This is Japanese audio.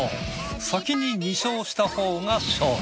先に２勝したほうが勝利。